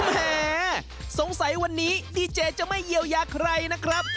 แหมสงสัยวันนี้ดีเจจะไม่เยียวยาใครนะครับ